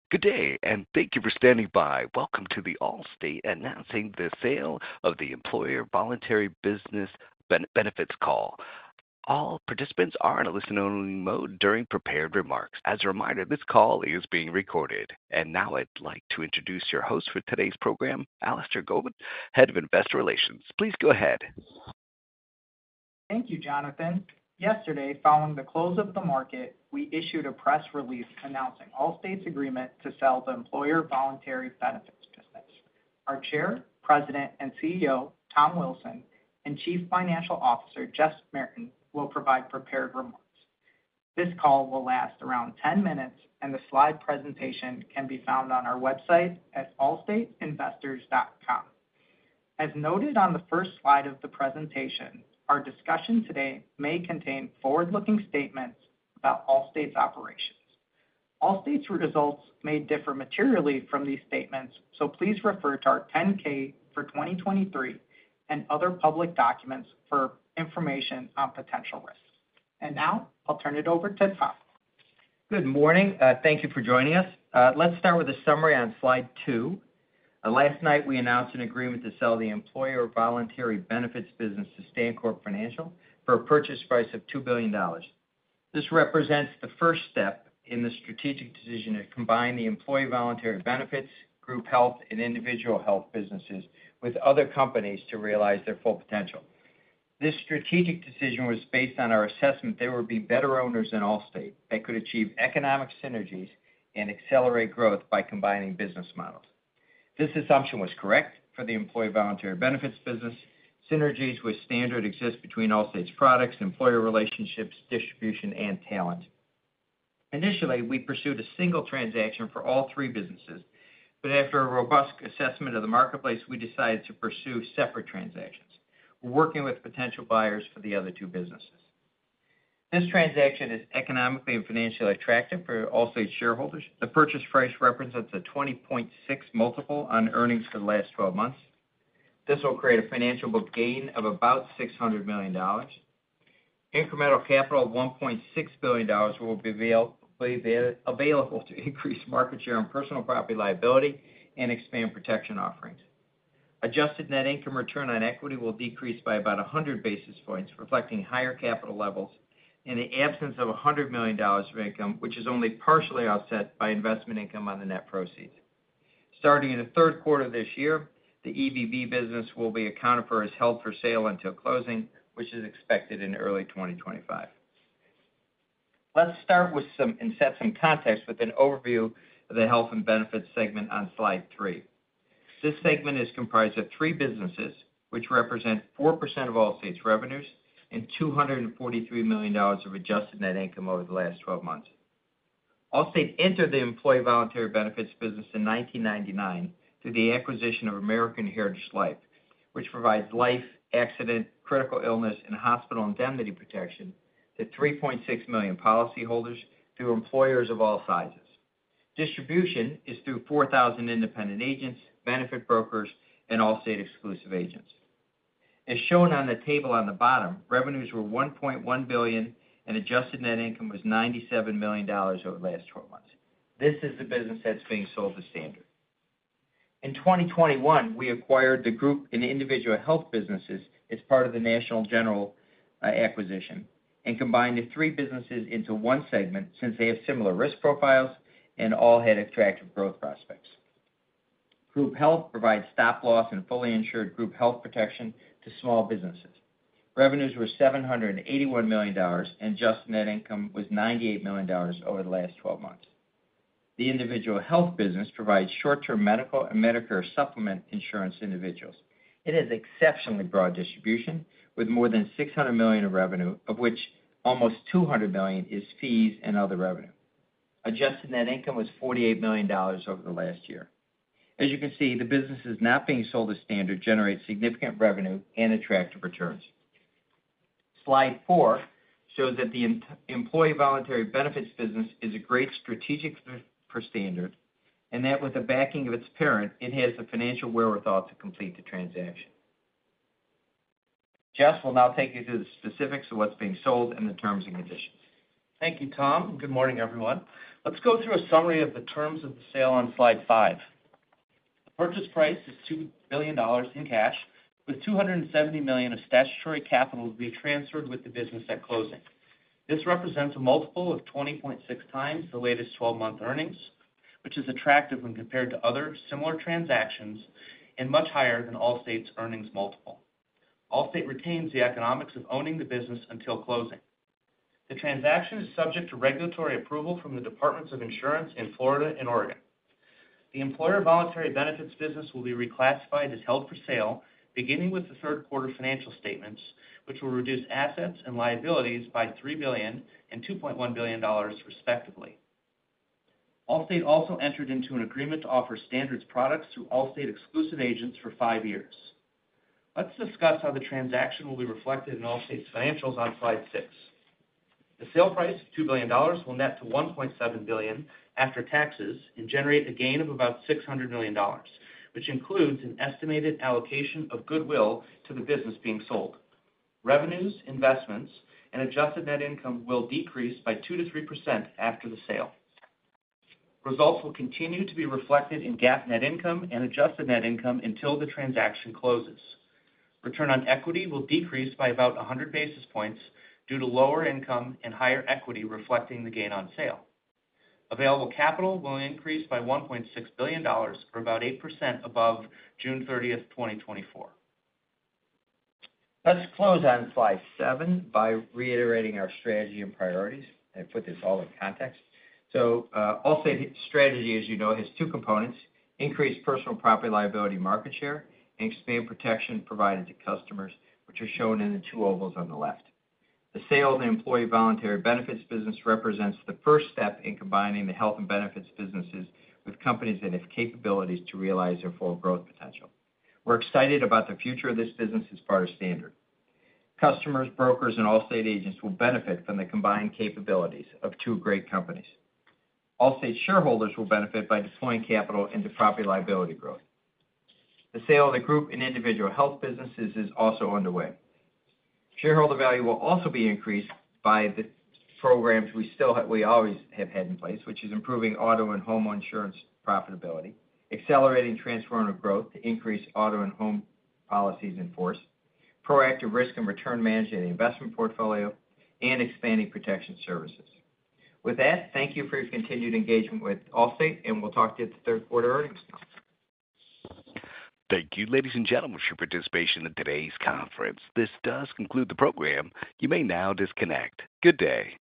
Good day, and thank you for standing by. Welcome to the Allstate Announcing the Sale of the Employer Voluntary Business Benefits call. All participants are in a listen-only mode during prepared remarks. As a reminder, this call is being recorded. And now I'd like to introduce your host for today's program, Alastair Gobin, Head of Investor Relations. Please go ahead. Thank you, Jonathan. Yesterday, following the close of the market, we issued a press release announcing Allstate's agreement to sell the Employer Voluntary Benefits business. Our Chair, President, and CEO, Tom Wilson, and Chief Financial Officer, Jess Merten, will provide prepared remarks. This call will last around 10 minutes, and the slide presentation can be found on our website at allstateinvestors.com. As noted on the first slide of the presentation, our discussion today may contain forward-looking statements about Allstate's operations. Allstate's results may differ materially from these statements, so please refer to our 10-K for 2023 and other public documents for information on potential risks. Now I'll turn it over to Tom. Good morning. Thank you for joining us. Let's start with a summary on slide 2. Last night, we announced an agreement to sell the Employer Voluntary Benefits business to StanCorp Financial for a purchase price of $2 billion. This represents the first step in the strategic decision to combine the Employer Voluntary Benefits, Group Health, and Individual Health businesses with other companies to realize their full potential. This strategic decision was based on our assessment they would be better owners than Allstate that could achieve economic synergies and accelerate growth by combining business models. This assumption was correct for the Employer Voluntary Benefits business. Synergies with Standard exist between Allstate's products, employer relationships, distribution, and talent. Initially, we pursued a single transaction for all three businesses, but after a robust assessment of the marketplace, we decided to pursue separate transactions. We're working with potential buyers for the other two businesses. This transaction is economically and financially attractive for Allstate shareholders. The purchase price represents a 20.6 multiple on earnings for the last 12 months. This will create a financial book gain of about $600 million. Incremental capital of $1.6 billion will be available to increase market share on Personal Property-Liability and expand protection offerings. Adjusted net income return on equity will decrease by about 100 basis points, reflecting higher capital levels and the absence of $100 million of income, which is only partially offset by investment income on the net proceeds. Starting in the third quarter this year, the EVB business will be accounted for as held for sale until closing, which is expected in early 2025. Let's start with some... Set some context with an overview of the Health and Benefits segment on slide 3. This segment is comprised of 3 businesses, which represent 4% of Allstate's revenues and $243 million of adjusted net income over the last 12 months. Allstate entered the employee voluntary benefits business in 1999 through the acquisition of American Heritage Life, which provides life, accident, critical illness, and hospital indemnity protection to 3.6 million policyholders through employers of all sizes. Distribution is through 4,000 independent agents, benefit brokers, and Allstate exclusive agents. As shown on the table on the bottom, revenues were $1.1 billion, and adjusted net income was $97 million over the last 12 months. This is the business that's being sold to Standard. In 2021, we acquired the group and individual health businesses as part of the National General acquisition and combined the three businesses into one segment since they have similar risk profiles and all had attractive growth prospects. Group Health provides stop-loss and fully insured group health protection to small businesses. Revenues were $781 million, and adjusted net income was $98 million over the last 12 months. The individual health business provides short-term medical and Medicare supplement insurance to individuals. It has exceptionally broad distribution, with more than $600 million of revenue, of which almost $200 million is fees and other revenue. Adjusted net income was $48 million over the last year. As you can see, the business is not being sold as Standard generates significant revenue and attractive returns. Slide four shows that the Employer Voluntary Benefits business is a great strategic fit for Standard, and that with the backing of its parent, it has the financial wherewithal to complete the transaction. Jess will now take you through the specifics of what's being sold and the terms and conditions. Thank you, Tom, and good morning, everyone. Let's go through a summary of the terms of the sale on slide 5. The purchase price is $2 billion in cash, with $270 million of Statutory Capital will be transferred with the business at closing. This represents a multiple of 20.6x the latest 12-month earnings, which is attractive when compared to other similar transactions and much higher than Allstate's earnings multiple. Allstate retains the economics of owning the business until closing. The transaction is subject to regulatory approval from the Departments of Insurance in Florida and Oregon. The Employer Voluntary Benefits business will be reclassified as Held for Sale, beginning with the third quarter financial statements, which will reduce assets and liabilities by $3 billion and $2.1 billion, respectively. Allstate also entered into an agreement to offer The Standard's products through Allstate's exclusive agents for five years. Let's discuss how the transaction will be reflected in Allstate's financials on slide six. The sale price of $2 billion will net to $1.7 billion after taxes and generate a gain of about $600 million, which includes an estimated allocation of goodwill to the business being sold. Revenues, investments, and adjusted net income will decrease by 2%-3% after the sale. Results will continue to be reflected in GAAP net income and adjusted net income until the transaction closes. Return on equity will decrease by about 100 basis points due to lower income and higher equity, reflecting the gain on sale. Available capital will increase by $1.6 billion, or about 8% above June 30, 2024. Let's close on slide 7 by reiterating our strategy and priorities and put this all in context. So, Allstate strategy, as you know, has two components: increased Personal Property-Liability market share, and expanded protection provided to customers, which are shown in the two ovals on the left. The sale of the Employer Voluntary Benefits business represents the first step in combining the Health and benefits businesses with companies that have capabilities to realize their full growth potential. We're excited about the future of this business as part of Standard. Customers, brokers, and Allstate agents will benefit from the combined capabilities of two great companies. Allstate shareholders will benefit by deploying capital into Property-Liability growth. The sale of the Group and Individual Health businesses is also underway. Shareholder value will also be increased by the programs we still we always have had in place, which is improving auto and home insurance profitability, accelerating transformative growth to increase auto and home policies in force, proactive risk and return management in investment portfolio, and expanding protection services. With that, thank you for your continued engagement with Allstate, and we'll talk to you at the third quarter earnings call. Thank you, ladies and gentlemen, for your participation in today's conference. This does conclude the program. You may now disconnect. Good day.